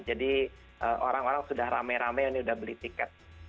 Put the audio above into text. jadi orang orang sudah rame rame ini sudah beli tiket